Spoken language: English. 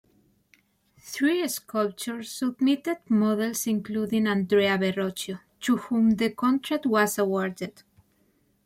Three sculptors submitted models including Andrea Verrocchio to whom the contract was awarded.